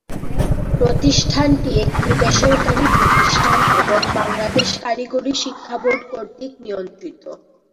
প্রতিষ্ঠানটি একটি বেসরকারি প্রতিষ্ঠান এবং বাংলাদেশ কারিগরি শিক্ষা বোর্ড কর্তৃক নিয়ন্ত্রিত।